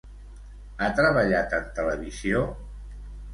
Ha treballat en televisió?